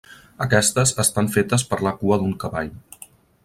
Aquestes estan fetes per la cua d'un cavall.